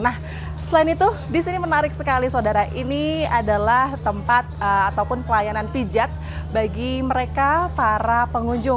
nah selain itu di sini menarik sekali saudara ini adalah tempat ataupun pelayanan pijat bagi mereka para pengunjung